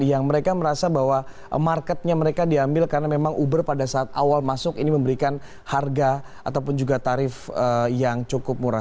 yang mereka merasa bahwa marketnya mereka diambil karena memang uber pada saat awal masuk ini memberikan harga ataupun juga tarif yang cukup murah